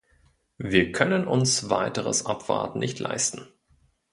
Wir können uns weiteres Abwarten nicht leisten.